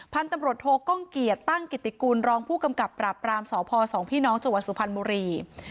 พันธุ์ตำรวจโทรกล้องเกียจตั้งกิติกูลรองผู้กำกับปราบรามสอพ๒พี่น้องจสุพันธุ์บุรี